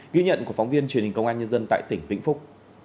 ghi nhận của phóng viên truyền hình công an nhân dân tại tỉnh vĩnh phúc